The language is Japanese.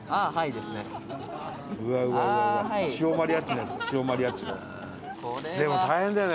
でも大変だよね。